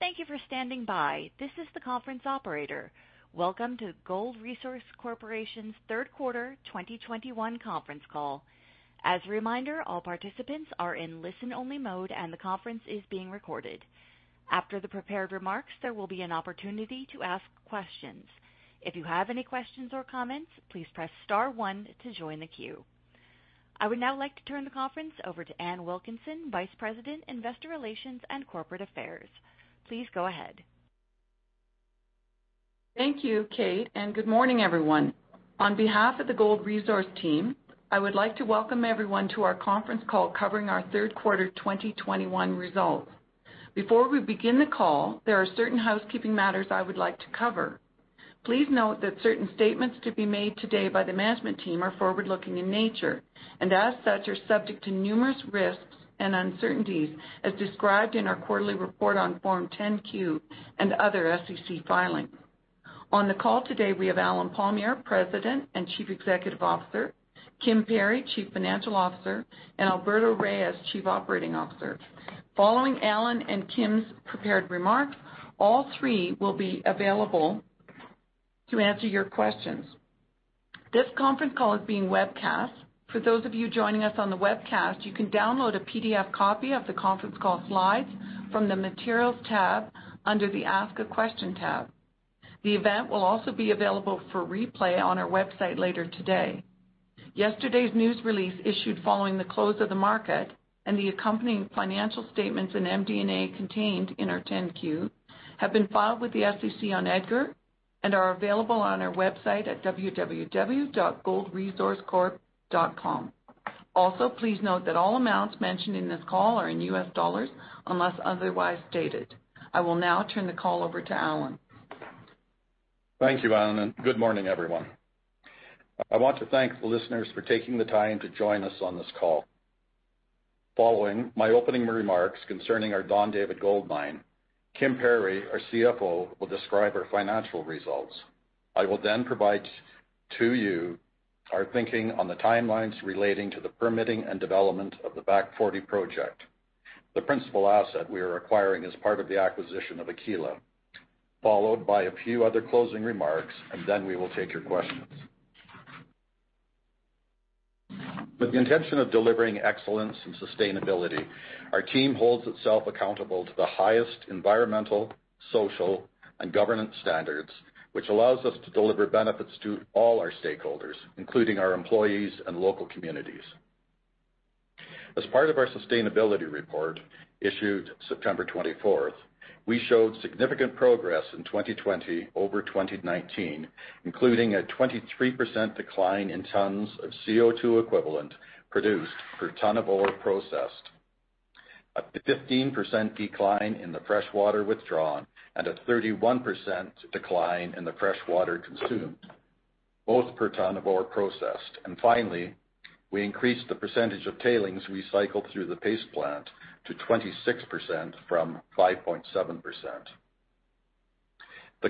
Thank you for standing by. This is the conference operator. Welcome to Gold Resource Corporation's third quarter 2021 conference call. As a reminder, all participants are in listen-only mode, and the conference is being recorded. After the prepared remarks, there will be an opportunity to ask questions. If you have any questions or comments, please press star one to join the queue. I would now like to turn the conference over to Ann Wilkinson, Vice President, Investor Relations and Corporate Affairs. Please go ahead. Thank you, Kate, and good morning, everyone. On behalf of the Gold Resource team, I would like to welcome everyone to our conference call covering our third quarter 2021 results. Before we begin the call, there are certain housekeeping matters I would like to cover. Please note that certain statements to be made today by the management team are forward-looking in nature and, as such, are subject to numerous risks and uncertainties, as described in our quarterly report on Form 10Q and other SEC filings. On the call today, we have Allen Palmiere, President and Chief Executive Officer; Kim Perry, Chief Financial Officer; and Alberto Reyes, Chief Operating Officer. Following Allen and Kim's prepared remarks, all three will be available to answer your questions. This conference call is being webcast. For those of you joining us on the webcast, you can download a PDF copy of the conference call slides from the Materials tab under the Ask a Question tab. The event will also be available for replay on our website later today. Yesterday's news release, issued following the close of the market, and the accompanying financial statements and MD&A contained in our 10Q have been filed with the SEC on EDGAR and are available on our website at www.goldresourcecorp.com. Also, please note that all amounts mentioned in this call are in US dollars unless otherwise stated. I will now turn the call over to Allen. Thank you, Ann, and good morning, everyone. I want to thank the listeners for taking the time to join us on this call. Following my opening remarks concerning our Don David Gold Mine, Kim Perry, our CFO, will describe our financial results. I will then provide to you our thinking on the timelines relating to the permitting and development of the Back Forty project, the principal asset we are acquiring as part of the acquisition of Aquila, followed by a few other closing remarks, and then we will take your questions. With the intention of delivering excellence and sustainability, our team holds itself accountable to the highest environmental, social, and governance standards, which allows us to deliver benefits to all our stakeholders, including our employees and local communities. As part of our sustainability report issued September 24th, we showed significant progress in 2020 over 2019, including a 23% decline in tons of CO2 equivalent produced per ton of ore processed, a 15% decline in the freshwater withdrawn, and a 31% decline in the freshwater consumed, both per ton of ore processed. Finally, we increased the percentage of tailings recycled through the paste plant to 26% from 5.7%. The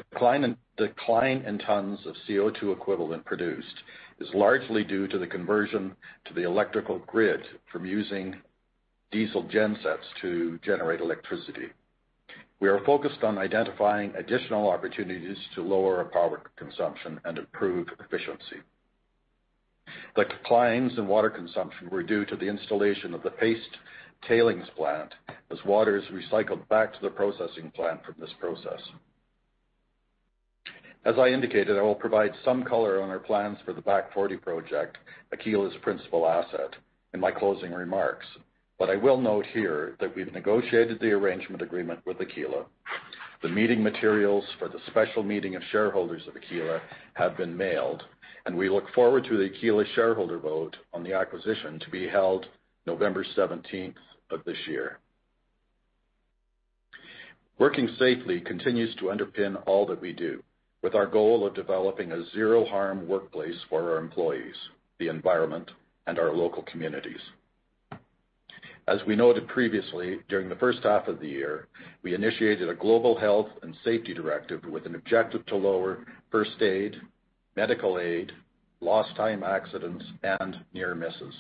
decline in tons of CO2 equivalent produced is largely due to the conversion to the electrical grid from using diesel gensets to generate electricity. We are focused on identifying additional opportunities to lower our power consumption and improve efficiency. The declines in water consumption were due to the installation of the paste tailings plant as water is recycled back to the processing plant from this process. As I indicated, I will provide some color on our plans for the Back Forty project, Aquila's principal asset, in my closing remarks. I will note here that we've negotiated the arrangement agreement with Aquila. The meeting materials for the special meeting of shareholders of Aquila have been mailed, and we look forward to the Aquila shareholder vote on the acquisition to be held November 17th of this year. Working safely continues to underpin all that we do, with our goal of developing a zero-harm workplace for our employees, the environment, and our local communities. As we noted previously, during the first half of the year, we initiated a global health and safety directive with an objective to lower first aid, medical aid, lost-time accidents, and near misses.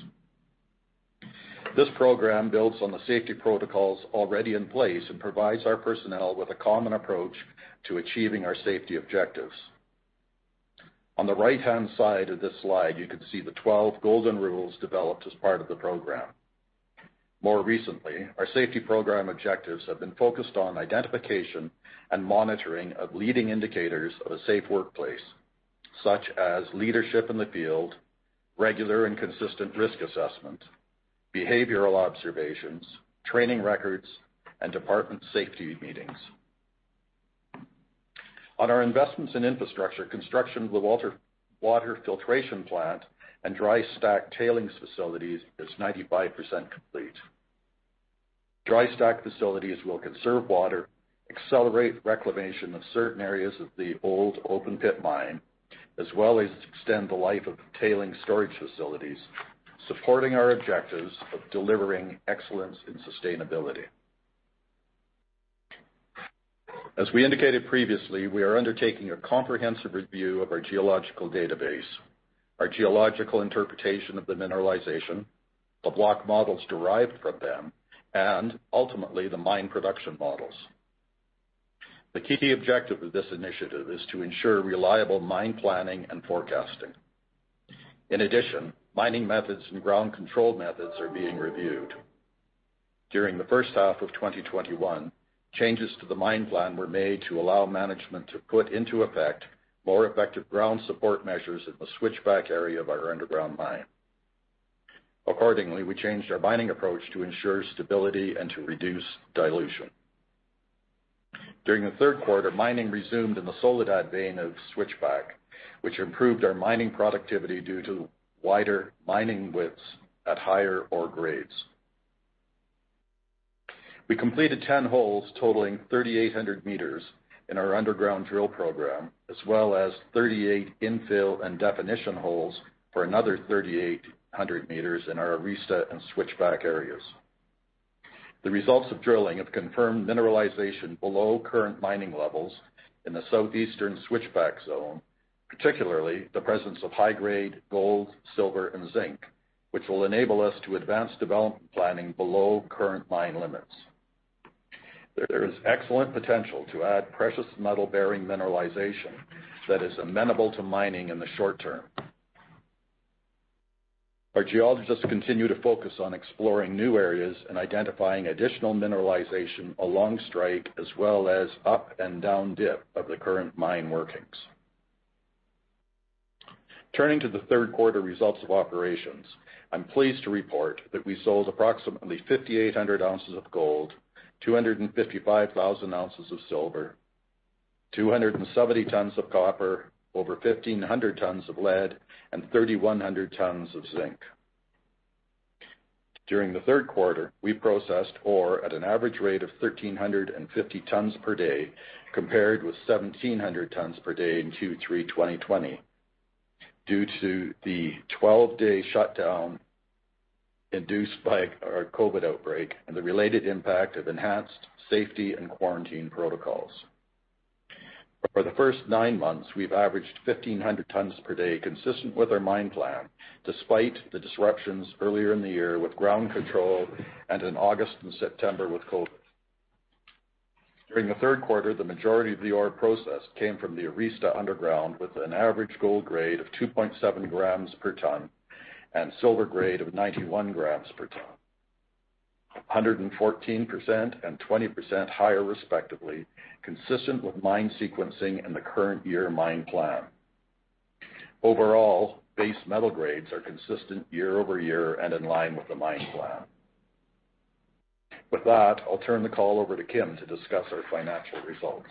This program builds on the safety protocols already in place and provides our personnel with a common approach to achieving our safety objectives. On the right-hand side of this slide, you can see the 12 golden rules developed as part of the program. More recently, our safety program objectives have been focused on identification and monitoring of leading indicators of a safe workplace, such as leadership in the field, regular and consistent risk assessment, behavioral observations, training records, and department safety meetings. On our investments in infrastructure, construction of the water filtration plant and dry stack tailings facilities is 95% complete. Dry stack facilities will conserve water, accelerate reclamation of certain areas of the old open pit mine, as well as extend the life of tailing storage facilities, supporting our objectives of delivering excellence in sustainability. As we indicated previously, we are undertaking a comprehensive review of our geological database, our geological interpretation of the mineralization, the block models derived from them, and ultimately the mine production models. The key objective of this initiative is to ensure reliable mine planning and forecasting. In addition, mining methods and ground control methods are being reviewed. During the first half of 2021, changes to the mine plan were made to allow management to put into effect more effective ground support measures in the Switchback area of our underground mine. Accordingly, we changed our mining approach to ensure stability and to reduce dilution. During the third quarter, mining resumed in the Soledad vein of Switchback, which improved our mining productivity due to wider mining widths at higher ore grades. We completed 10 holes totaling 3,800 meters in our underground drill program, as well as 38 infill and definition holes for another 3,800 meters in our Arista and Switchback areas. The results of drilling have confirmed mineralization below current mining levels in the southeastern Switchback zone, particularly the presence of high-grade gold, silver, and zinc, which will enable us to advance development planning below current mine limits. There is excellent potential to add precious metal-bearing mineralization that is amenable to mining in the short term. Our geologists continue to focus on exploring new areas and identifying additional mineralization along strike as well as up and down dip of the current mine workings. Turning to the third quarter results of operations, I'm pleased to report that we sold approximately 5,800 ounces of gold, 255,000 ounces of silver, 270 tons of copper, over 1,500 tons of lead, and 3,100 tons of zinc. During the third quarter, we processed ore at an average rate of 1,350 tons per day, compared with 1,700 tons per day in Q3 2020, due to the 12-day shutdown induced by our COVID outbreak and the related impact of enhanced safety and quarantine protocols. For the first nine months, we've averaged 1,500 tons per day, consistent with our mine plan, despite the disruptions earlier in the year with ground control and in August and September with COVID. During the third quarter, the majority of the ore processed came from the Arista underground with an average gold grade of 2.7 grams per ton and silver grade of 91 grams per ton, 114% and 20% higher, respectively, consistent with mine sequencing and the current year mine plan. Overall, base metal grades are consistent year-over-year and in line with the mine plan. With that, I'll turn the call over to Kim to discuss our financial results.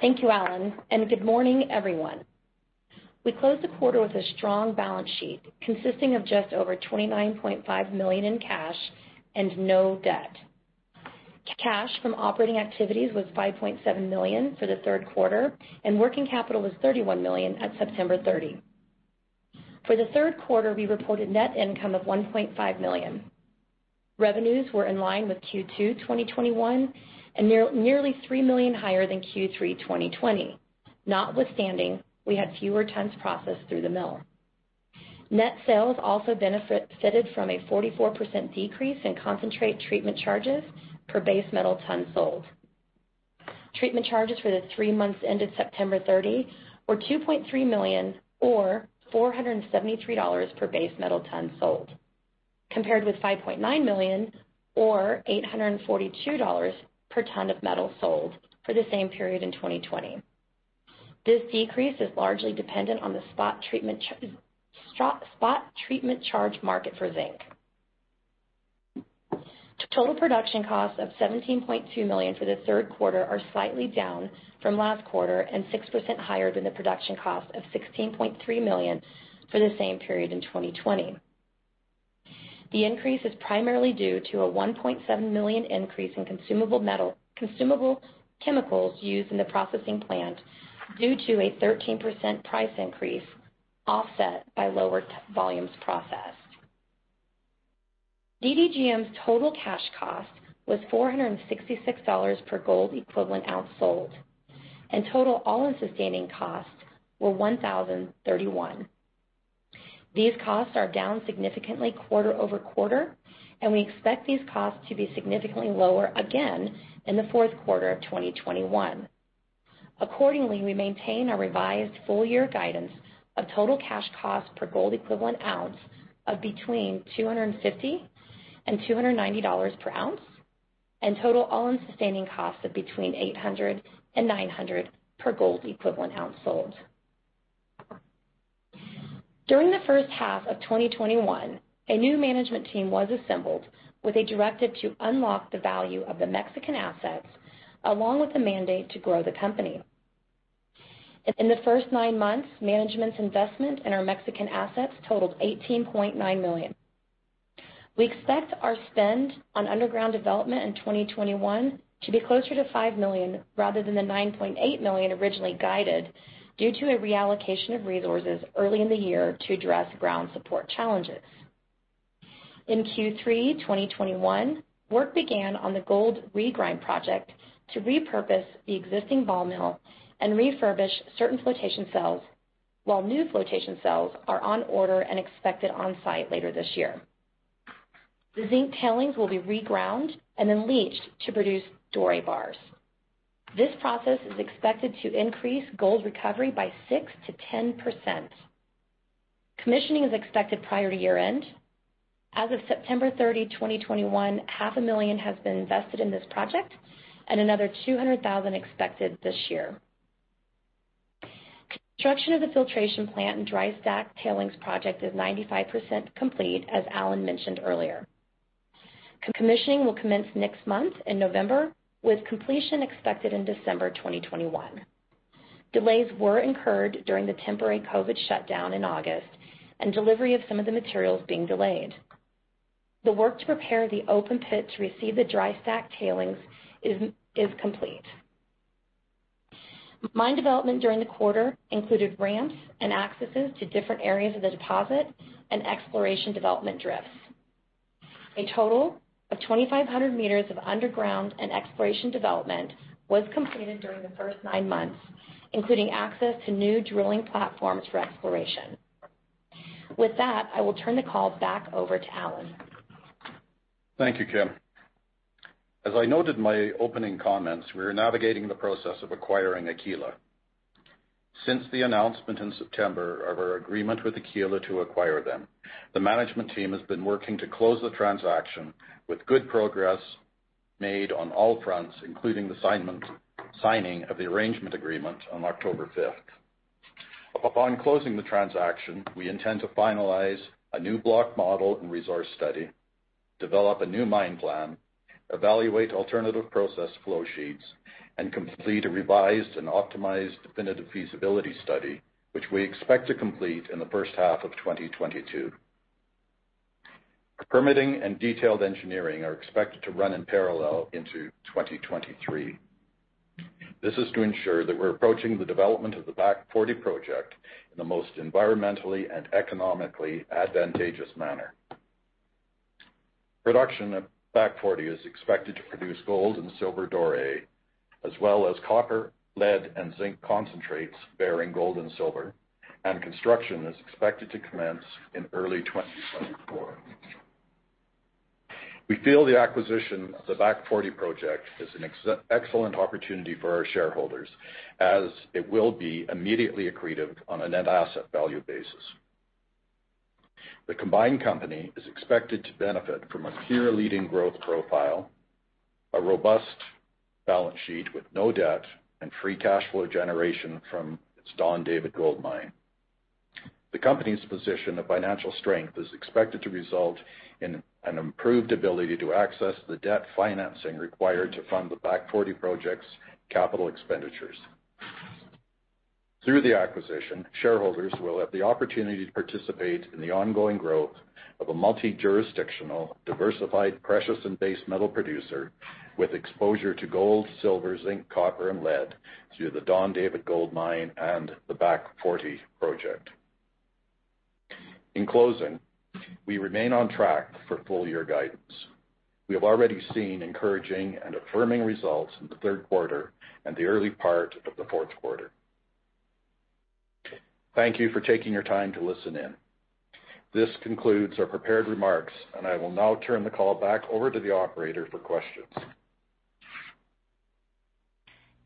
Thank you, Allen, and good morning, everyone. We closed the quarter with a strong balance sheet consisting of just over $29.5 million in cash and no debt. Cash from operating activities was $5.7 million for the third quarter, and working capital was $31 million at September 30. For the third quarter, we reported net income of $1.5 million. Revenues were in line with Q2 2021 and nearly $3 million higher than Q3 2020, notwithstanding we had fewer tons processed through the mill. Net sales also benefited from a 44% decrease in concentrate treatment charges per base metal ton sold. Treatment charges for the three months ended September 30 were $2.3 million or $473 per base metal ton sold, compared with $5.9 million or $842 per ton of metal sold for the same period in 2020. This decrease is largely dependent on the spot treatment charge market for zinc. Total production costs of $17.2 million for the third quarter are slightly down from last quarter and 6% higher than the production cost of $16.3 million for the same period in 2020. The increase is primarily due to a $1.7 million increase in consumable chemicals used in the processing plant due to a 13% price increase offset by lower volumes processed. DDGM's total cash cost was $466 per gold equivalent ounce sold, and total all-in sustaining costs were $1,031. These costs are down significantly quarter-over-quarter, and we expect these costs to be significantly lower again in the fourth quarter of 2021. Accordingly, we maintain our revised full-year guidance of total cash costs per gold equivalent ounce of between $250 and $290 per ounce and total all-in sustaining costs of between $800 and $900 per gold equivalent ounce sold. During the first half of 2021, a new management team was assembled with a directive to unlock the value of the Mexican assets, along with a mandate to grow the company. In the first nine months, management's investment in our Mexican assets totaled $18.9 million. We expect our spend on underground development in 2021 to be closer to $5 million rather than the $9.8 million originally guided due to a reallocation of resources early in the year to address ground support challenges. In Q3 2021, work began on the gold regrind project to repurpose the existing ball mill and refurbish certain flotation cells, while new flotation cells are on order and expected on site later this year. The zinc tailings will be reground and then leached to produce doré bars. This process is expected to increase gold recovery by 6%-10%. Commissioning is expected prior to year-end. As of September 30, 2021, $500,000 has been invested in this project, and another $200,000 expected this year. Construction of the filtration plant and dry stack tailings project is 95% complete, as Allen mentioned earlier. Commissioning will commence next month in November, with completion expected in December 2021. Delays were incurred during the temporary COVID shutdown in August and delivery of some of the materials being delayed. The work to prepare the open pit to receive the dry stack tailings is complete. Mine development during the quarter included ramps and accesses to different areas of the deposit and exploration development drifts. A total of 2,500 meters of underground and exploration development was completed during the first nine months, including access to new drilling platforms for exploration. With that, I will turn the call back over to Allen. Thank you, Kim. As I noted in my opening comments, we are navigating the process of acquiring Aquila. Since the announcement in September of our agreement with Aquila to acquire them, the management team has been working to close the transaction with good progress made on all fronts, including the signing of the arrangement agreement on October 5th. Upon closing the transaction, we intend to finalize a new block model and resource study, develop a new mine plan, evaluate alternative process flow sheets, and complete a revised and optimized definitive feasibility study, which we expect to complete in the first half of 2022. Permitting and detailed engineering are expected to run in parallel into 2023. This is to ensure that we're approaching the development of the Back Forty project in the most environmentally and economically advantageous manner. Production of Back Forty is expected to produce gold and silver doré, as well as copper, lead, and zinc concentrates bearing gold and silver, and construction is expected to commence in early 2024. We feel the acquisition of the Back Forty project is an excellent opportunity for our shareholders, as it will be immediately accretive on a net asset value basis. The combined company is expected to benefit from a peer-leading growth profile, a robust balance sheet with no debt, and free cash flow generation from its Don David Gold Mine. The company's position of financial strength is expected to result in an improved ability to access the debt financing required to fund the Back Forty project's capital expenditures. Through the acquisition, shareholders will have the opportunity to participate in the ongoing growth of a multi-jurisdictional, diversified precious and base metal producer with exposure to gold, silver, zinc, copper, and lead through the Don David Gold Mine and the Back Forty project. In closing, we remain on track for full-year guidance. We have already seen encouraging and affirming results in the third quarter and the early part of the fourth quarter. Thank you for taking your time to listen in. This concludes our prepared remarks, and I will now turn the call back over to the operator for questions.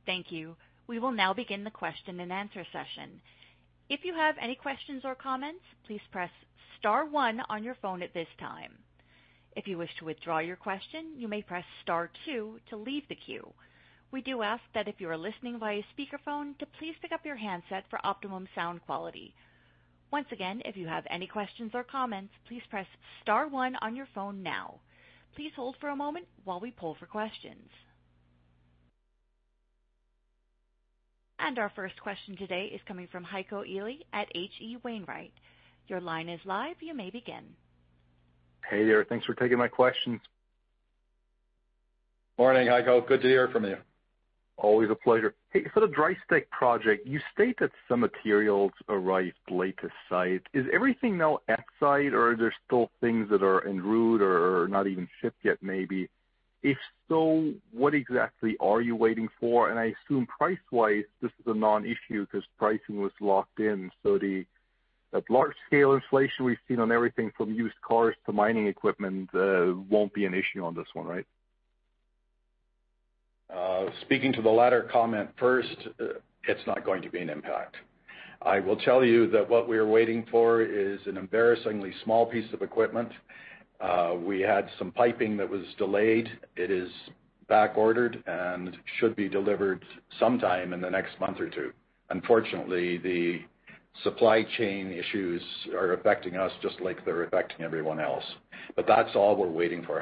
Thank you. We will now begin the question-and-answer session. If you have any questions or comments, please press Star 1 on your phone at this time. If you wish to withdraw your question, you may press Star 2 to leave the queue. We do ask that if you are listening via speakerphone, to please pick up your handset for optimum sound quality. Once again, if you have any questions or comments, please press Star 1 on your phone now. Please hold for a moment while we pull for questions. Our first question today is coming from Heiko Ihle at H.C. Wainwright. Your line is live. You may begin. Hey there. Thanks for taking my question. Morning, Heiko. Good to hear from you. Always a pleasure. Hey, for the dry stack project, you state that some materials arrived late to site. Is everything now at site, or are there still things that are en route or not even shipped yet, maybe? If so, what exactly are you waiting for? I assume price-wise, this is a non-issue because pricing was locked in. The large-scale inflation we've seen on everything from used cars to mining equipment will not be an issue on this one, right? Speaking to the latter comment first, it's not going to be an impact. I will tell you that what we are waiting for is an embarrassingly small piece of equipment. We had some piping that was delayed. It is backordered and should be delivered sometime in the next month or two. Unfortunately, the supply chain issues are affecting us just like they're affecting everyone else. That's all we're waiting for,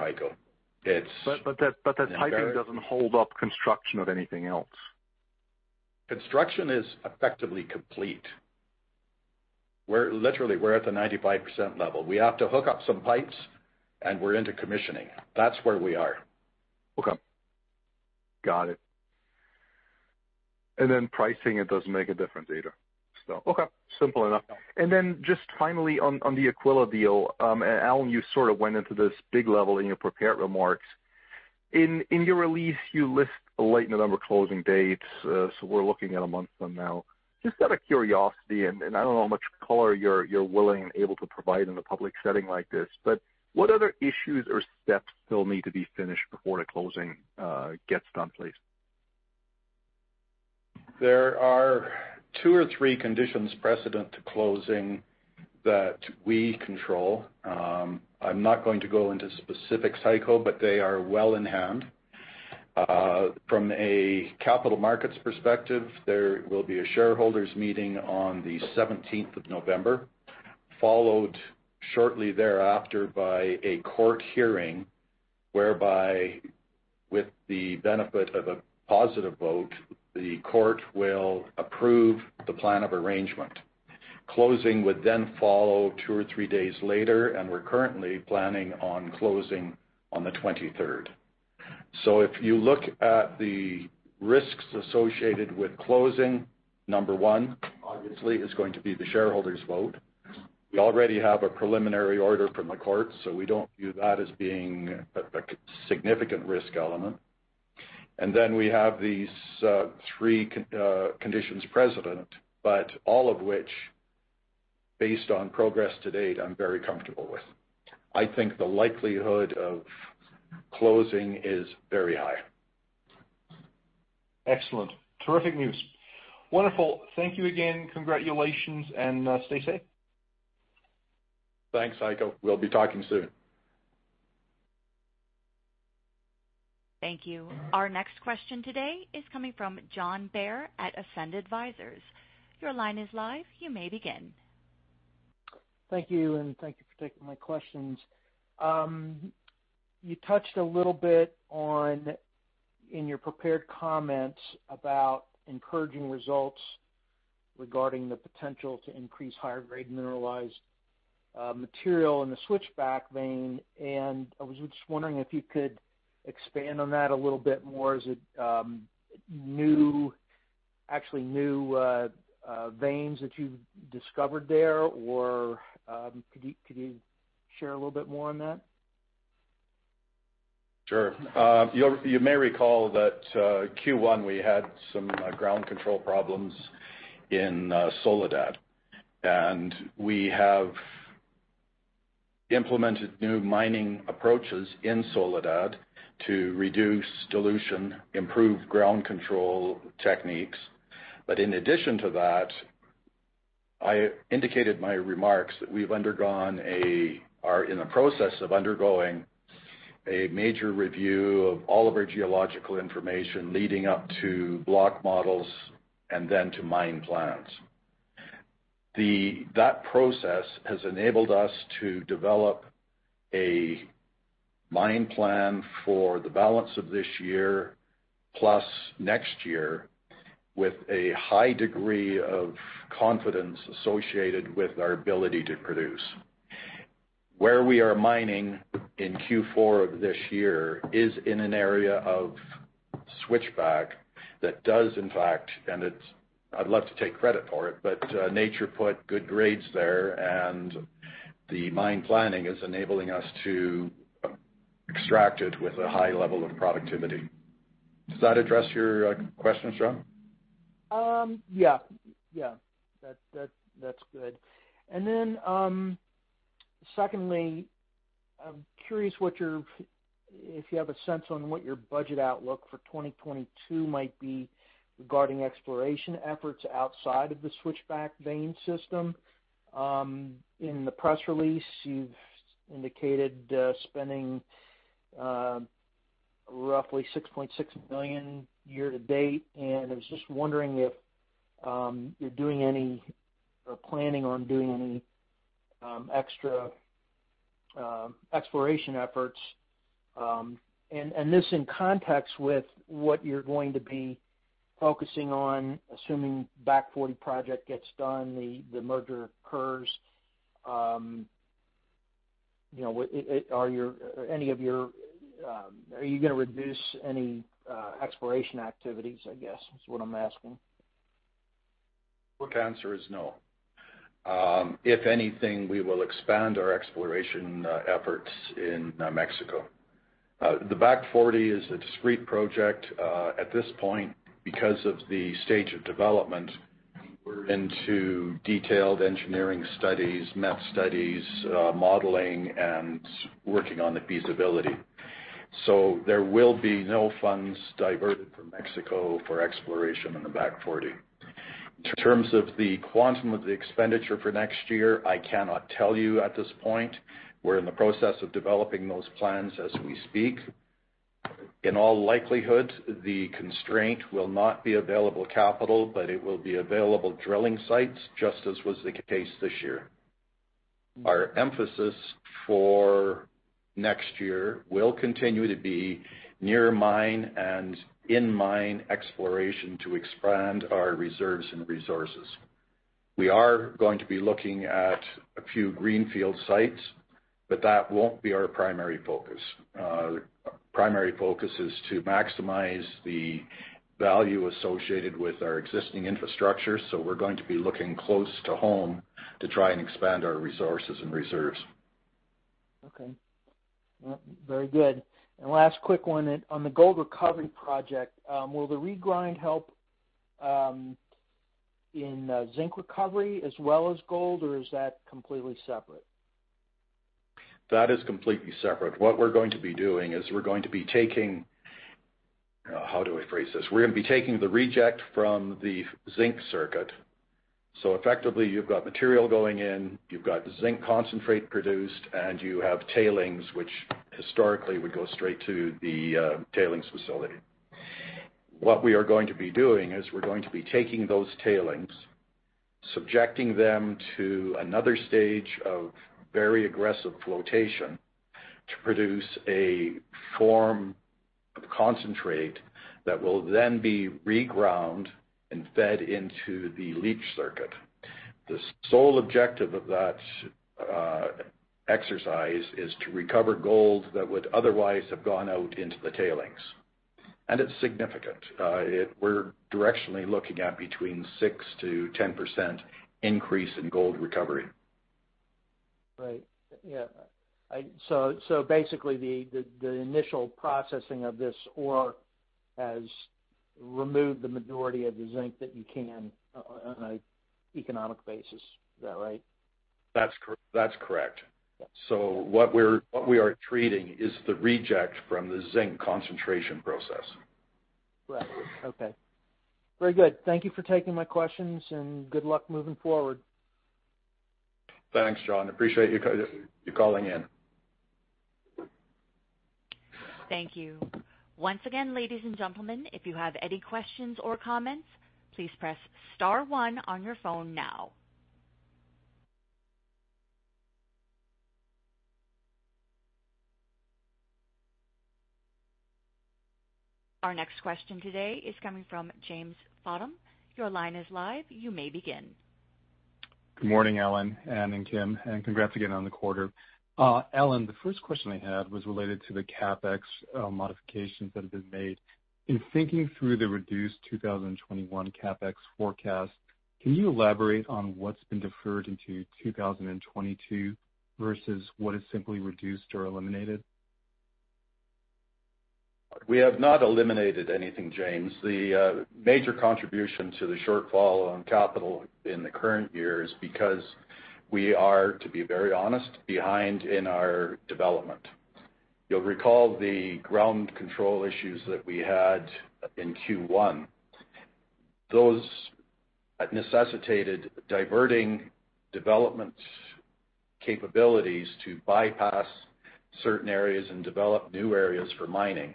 Heiko. That Heiko doesn't hold up construction of anything else. Construction is effectively complete. Literally, we're at the 95% level. We have to hook up some pipes, and we're into commissioning. That's where we are. Okay. Got it. Pricing, it doesn't make a difference, either. Simple enough. Just finally on the Aquila deal, Allen, you sort of went into this big level in your prepared remarks. In your release, you list a lightning number closing date, so we're looking at a month from now. Just out of curiosity, and I don't know how much color you're willing and able to provide in a public setting like this, what other issues or steps still need to be finished before the closing gets done, please? There are two or three conditions precedent to closing that we control. I'm not going to go into specifics, Heiko, but they are well in hand. From a capital markets perspective, there will be a shareholders' meeting on the 17th of November, followed shortly thereafter by a court hearing whereby, with the benefit of a positive vote, the court will approve the plan of arrangement. Closing would then follow two or three days later, and we're currently planning on closing on the 23rd. If you look at the risks associated with closing, number one, obviously, is going to be the shareholders' vote. We already have a preliminary order from the court, so we don't view that as being a significant risk element. We have these three conditions precedent, but all of which, based on progress to date, I'm very comfortable with. I think the likelihood of closing is very high. Excellent. Terrific news. Wonderful. Thank you again. Congratulations, and stay safe. Thanks, Heiko. We'll be talking soon. Thank you. Our next question today is coming from John Bair at Ascend Advisors. Your line is live. You may begin. Thank you, and thank you for taking my questions. You touched a little bit in your prepared comments about encouraging results regarding the potential to increase higher-grade mineralized material in the Switchback vein, and I was just wondering if you could expand on that a little bit more. Is it actually new veins that you've discovered there, or could you share a little bit more on that? Sure. You may recall that Q1 we had some ground control problems in Soledad, and we have implemented new mining approaches in Soledad to reduce dilution, improve ground control techniques. In addition to that, I indicated in my remarks that we've undergone a—are in the process of undergoing a major review of all of our geological information leading up to block models and then to mine plans. That process has enabled us to develop a mine plan for the balance of this year, plus next year, with a high degree of confidence associated with our ability to produce. Where we are mining in Q4 of this year is in an area of Switchback that does, in fact—and I'd love to take credit for it, but nature put good grades there, and the mine planning is enabling us to extract it with a high level of productivity. Does that address your questions, John? Yeah. Yeah. That's good. Then secondly, I'm curious if you have a sense on what your budget outlook for 2022 might be regarding exploration efforts outside of the Switchback vein system. In the press release, you've indicated spending roughly $6.6 million year-to-date, and I was just wondering if you're doing any or planning on doing any extra exploration efforts. This in context with what you're going to be focusing on, assuming the Back Forty project gets done, the merger occurs, are any of your—are you going to reduce any exploration activities, I guess, is what I'm asking? The answer is no. If anything, we will expand our exploration efforts in Mexico. The Back Forty is a discreet project at this point because of the stage of development into detailed engineering studies, meth studies, modeling, and working on the feasibility. There will be no funds diverted from Mexico for exploration in the Back Forty. In terms of the quantum of the expenditure for next year, I cannot tell you at this point. We're in the process of developing those plans as we speak. In all likelihood, the constraint will not be available capital, but it will be available drilling sites, just as was the case this year. Our emphasis for next year will continue to be near mine and in mine exploration to expand our reserves and resources. We are going to be looking at a few greenfield sites, but that won't be our primary focus. Primary focus is to maximize the value associated with our existing infrastructure, so we're going to be looking close to home to try and expand our resources and reserves. Okay. Very good. Last quick one on the gold recovery project. Will the regrind help in zinc recovery as well as gold, or is that completely separate? That is completely separate. What we're going to be doing is we're going to be taking—how do I phrase this? We're going to be taking the reject from the zinc circuit. Effectively, you've got material going in, you've got zinc concentrate produced, and you have tailings, which historically would go straight to the tailings facility. What we are going to be doing is we're going to be taking those tailings, subjecting them to another stage of very aggressive flotation to produce a form of concentrate that will then be reground and fed into the leach circuit. The sole objective of that exercise is to recover gold that would otherwise have gone out into the tailings. It is significant. We're directionally looking at between 6%-10% increase in gold recovery. Right. Yeah. So basically, the initial processing of this ore has removed the majority of the zinc that you can on an economic basis. Is that right? That's correct. What we are treating is the reject from the zinc concentration process. Right. Okay. Very good. Thank you for taking my questions, and good luck moving forward. Thanks, John. Appreciate you calling in. Thank you. Once again, ladies and gentlemen, if you have any questions or comments, please press Star 1 on your phone now. Our next question today is coming from James [Fathom]. Your line is live. You may begin. Good morning, Allen, and Kim. Congrats again on the quarter. Allen, the first question I had was related to the CapEx modifications that have been made. In thinking through the reduced 2021 CapEx forecast, can you elaborate on what has been deferred into 2022 versus what is simply reduced or eliminated? We have not eliminated anything, James. The major contribution to the shortfall on capital in the current year is because we are, to be very honest, behind in our development. You'll recall the ground control issues that we had in Q1. Those necessitated diverting development capabilities to bypass certain areas and develop new areas for mining.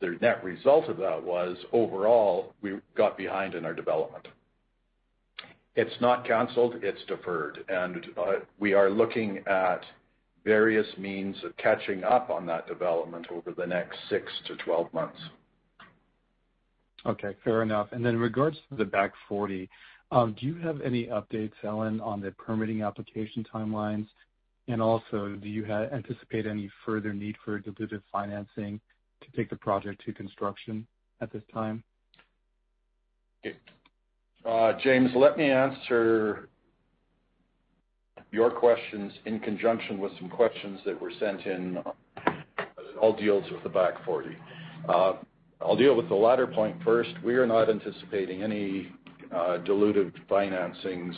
The net result of that was, overall, we got behind in our development. It's not canceled. It's deferred. We are looking at various means of catching up on that development over the next 6-12 months. Okay. Fair enough. In regards to the Back Forty, do you have any updates, Allen, on the permitting application timelines? Also, do you anticipate any further need for diluted financing to take the project to construction at this time? James, let me answer your questions in conjunction with some questions that were sent in. All deals with the Back Forty. I'll deal with the latter point first. We are not anticipating any diluted financings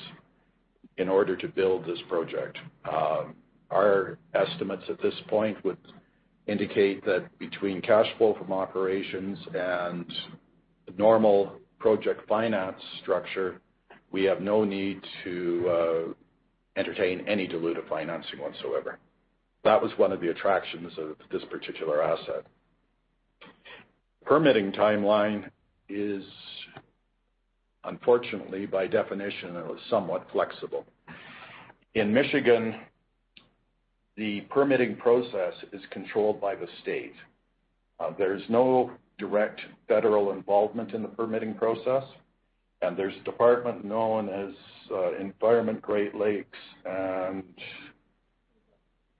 in order to build this project. Our estimates at this point would indicate that between cash flow from operations and the normal project finance structure, we have no need to entertain any diluted financing whatsoever. That was one of the attractions of this particular asset. Permitting timeline is, unfortunately, by definition, somewhat flexible. In Michigan, the permitting process is controlled by the state. There is no direct federal involvement in the permitting process, and there's a department known as Environment Great Lakes. And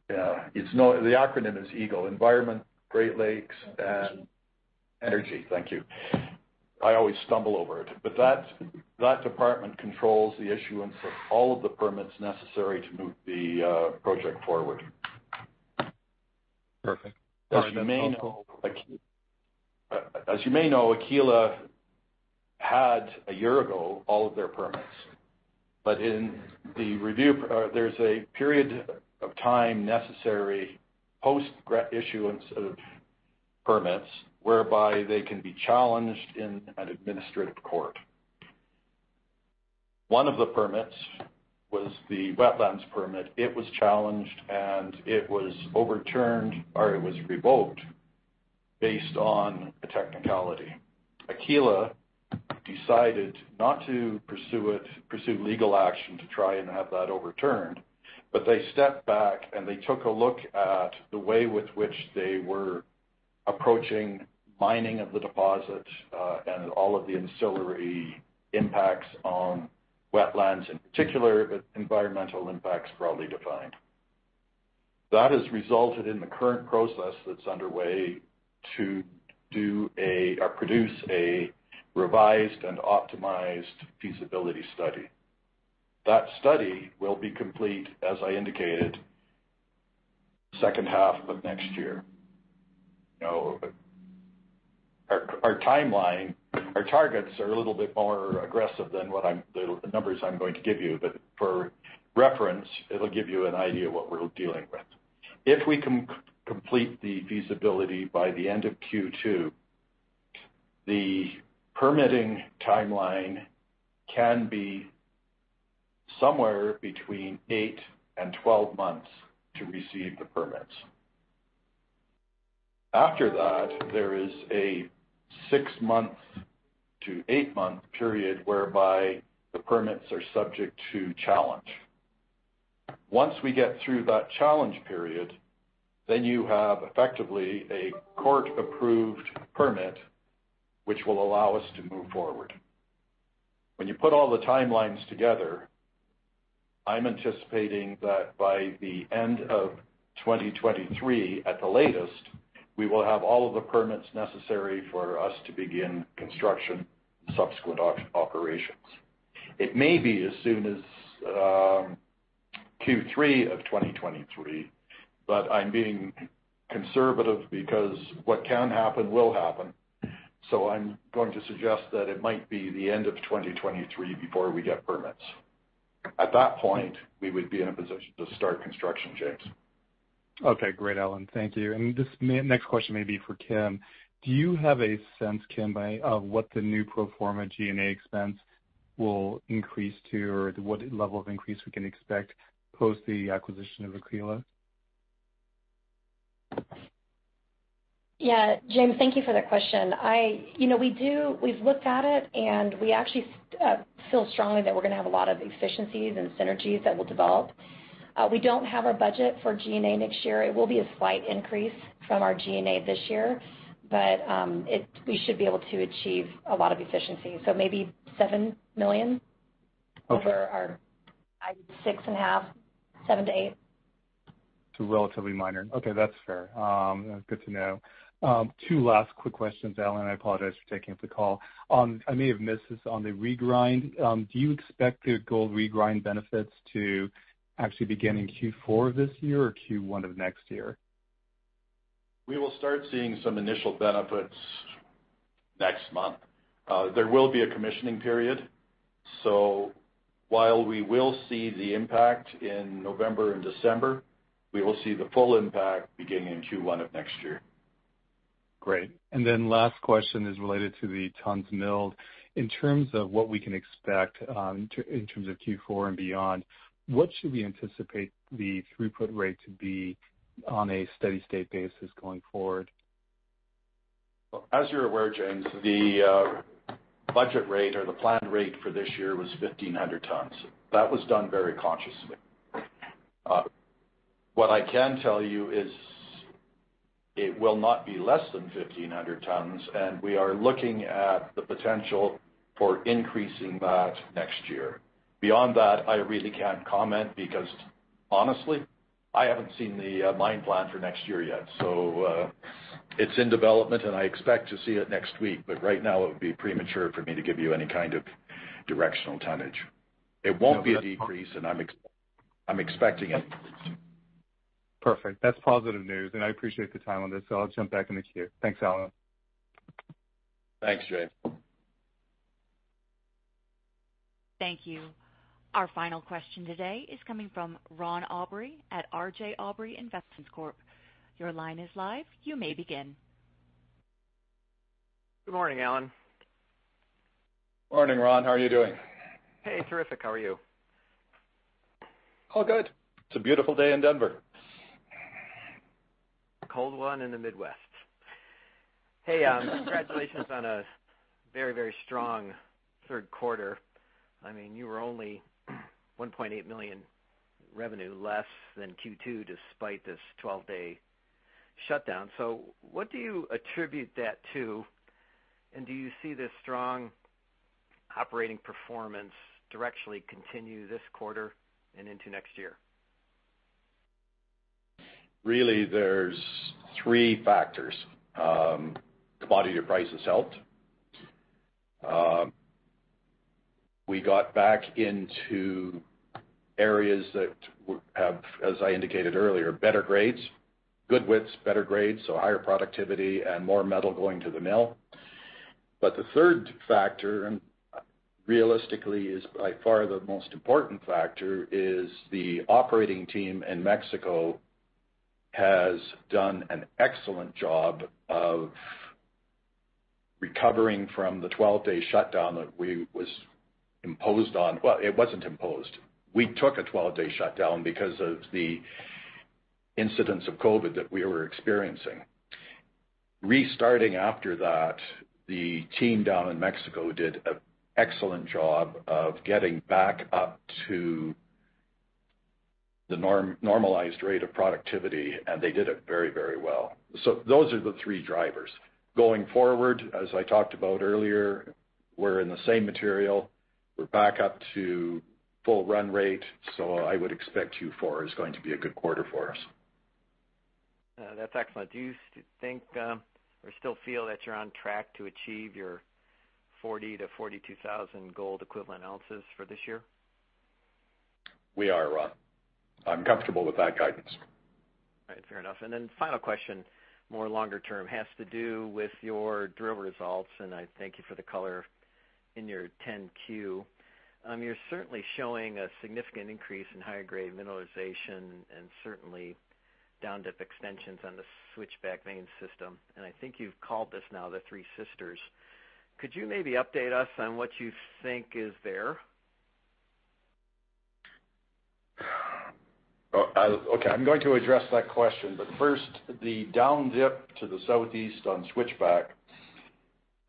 the acronym is EGLE, Environment Great Lakes and Energy. Thank you. I always stumble over it. That department controls the issuance of all of the permits necessary to move the project forward. Perfect. As you may know, Aquila had a year ago all of their permits. In the review, there's a period of time necessary post-issuance of permits whereby they can be challenged in an administrative court. One of the permits was the wetlands permit. It was challenged, and it was overturned, or it was revoked based on a technicality. Aquila decided not to pursue legal action to try and have that overturned, but they stepped back and they took a look at the way with which they were approaching mining of the deposits and all of the ancillary impacts on wetlands in particular, but environmental impacts broadly defined. That has resulted in the current process that's underway to produce a revised and optimized feasibility study. That study will be complete, as I indicated, second half of next year. Our targets are a little bit more aggressive than the numbers I'm going to give you, but for reference, it'll give you an idea of what we're dealing with. If we can complete the feasibility by the end of Q2, the permitting timeline can be somewhere between 8-12 months to receive the permits. After that, there is a 6-8 month period whereby the permits are subject to challenge. Once we get through that challenge period, then you have effectively a court-approved permit which will allow us to move forward. When you put all the timelines together, I'm anticipating that by the end of 2023, at the latest, we will have all of the permits necessary for us to begin construction and subsequent operations. It may be as soon as Q3 of 2023, but I'm being conservative because what can happen will happen. I'm going to suggest that it might be the end of 2023 before we get permits. At that point, we would be in a position to start construction, James. Okay. Great, Allen. Thank you. This next question may be for Kim. Do you have a sense, Kim, of what the new pro forma G&A expense will increase to, or what level of increase we can expect post the acquisition of Aquila? Yeah. James, thank you for that question. We've looked at it, and we actually feel strongly that we're going to have a lot of efficiencies and synergies that will develop. We don't have our budget for G&A next year. It will be a slight increase from our G&A this year, but we should be able to achieve a lot of efficiency. Maybe $7 million for our $6.5 million, $7 million-$8 million. Relatively minor. Okay. That's fair. Good to know. Two last quick questions, Allen. I apologize for taking up the call. I may have missed this on the regrind. Do you expect the gold regrind benefits to actually begin in Q4 of this year or Q1 of next year? We will start seeing some initial benefits next month. There will be a commissioning period. While we will see the impact in November and December, we will see the full impact beginning in Q1 of next year. Great. Last question is related to the tonnes milled. In terms of what we can expect in terms of Q4 and beyond, what should we anticipate the throughput rate to be on a steady-state basis going forward? As you're aware, James, the budget rate or the planned rate for this year was 1,500 tons. That was done very consciously. What I can tell you is it will not be less than 1,500 tons, and we are looking at the potential for increasing that next year. Beyond that, I really can't comment because, honestly, I haven't seen the mine plan for next year yet. It is in development, and I expect to see it next week. Right now, it would be premature for me to give you any kind of directional tonnage. It won't be a decrease, and I'm expecting it. Perfect. That is positive news. I appreciate the time on this. I will jump back in the queue. Thanks, Allen. Thanks, James. Thank you. Our final question today is coming from Ron Aubrey at RJ Aubrey Investments Corp. Your line is live. You may begin. Good morning, Allen. Morning, Ron. How are you doing? Hey, terrific. How are you? All good. It's a beautiful day in Denver. Cold one in the Midwest. Hey, congratulations on a very, very strong third quarter. I mean, you were only $1.8 million revenue less than Q2 despite this 12-day shutdown. What do you attribute that to? Do you see this strong operating performance directionally continue this quarter and into next year? Really, there's three factors. Commodity prices helped. We got back into areas that have, as I indicated earlier, better grades, good widths, better grades, so higher productivity and more metal going to the mill. The third factor, realistically, is by far the most important factor, is the operating team in Mexico has done an excellent job of recovering from the 12-day shutdown that was imposed on. It was not imposed. We took a 12-day shutdown because of the incidents of COVID that we were experiencing. Restarting after that, the team down in Mexico did an excellent job of getting back up to the normalized rate of productivity, and they did it very, very well. Those are the three drivers. Going forward, as I talked about earlier, we're in the same material. We're back up to full run rate. I would expect Q4 is going to be a good quarter for us. That's excellent. Do you think or still feel that you're on track to achieve your 40,000-42,000 gold equivalent ounces for this year? We are, Ron. I'm comfortable with that guidance. All right. Fair enough. Final question, more longer term, has to do with your drill results. I thank you for the color in your 10Q. You're certainly showing a significant increase in higher-grade mineralization and certainly down-depth extensions on the Switchback main system. I think you've called this now the Three Sisters. Could you maybe update us on what you think is there? Okay. I'm going to address that question. First, the down dip to the southeast on Switchback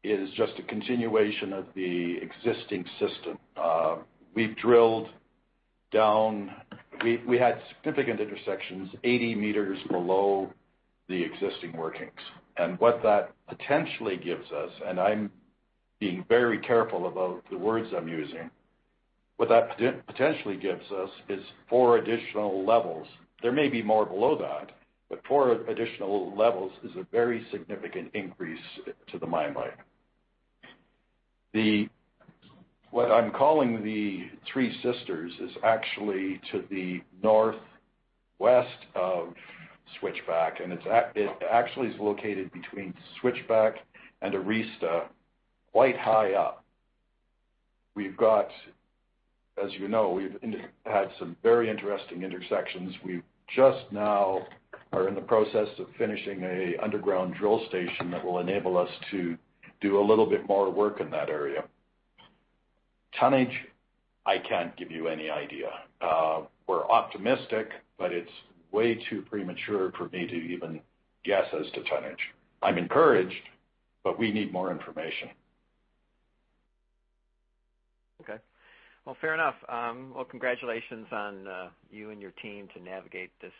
is just a continuation of the existing system. We've drilled down. We had significant intersections 80 meters below the existing workings. What that potentially gives us, and I'm being very careful about the words I'm using, what that potentially gives us is four additional levels. There may be more below that, but four additional levels is a very significant increase to the mine life. What I'm calling the three sisters is actually to the northwest of Switchback. It actually is located between Switchback and Arista quite high up. As you know, we've had some very interesting intersections. We just now are in the process of finishing an underground drill station that will enable us to do a little bit more work in that area. Tonnage, I can't give you any idea. We're optimistic, but it's way too premature for me to even guess as to tonnage. I'm encouraged, but we need more information. Okay. Fair enough. Congratulations on you and your team to navigate this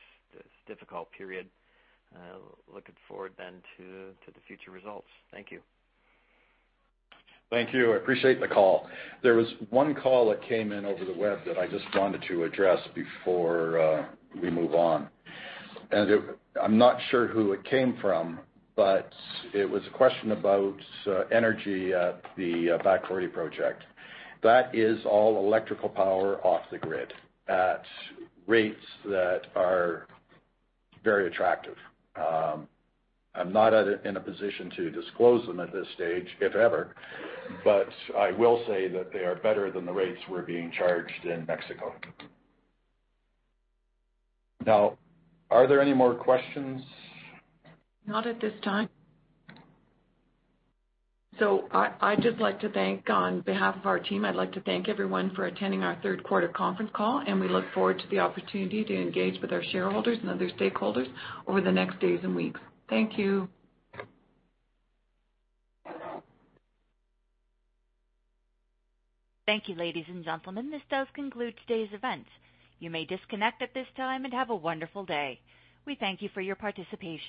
difficult period. Looking forward then to the future results. Thank you. Thank you. I appreciate the call. There was one call that came in over the web that I just wanted to address before we move on. I am not sure who it came from, but it was a question about energy at the Back Forty project. That is all electrical power off the grid at rates that are very attractive. I am not in a position to disclose them at this stage, if ever, but I will say that they are better than the rates we are being charged in Mexico. Now, are there any more questions? Not at this time. I'd just like to thank, on behalf of our team, I'd like to thank everyone for attending our third quarter conference call. We look forward to the opportunity to engage with our shareholders and other stakeholders over the next days and weeks. Thank you. Thank you, ladies and gentlemen. This does conclude today's event. You may disconnect at this time and have a wonderful day. We thank you for your participation.